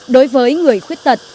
đối với người khuất tật